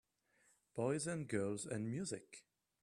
Boys and girls and music.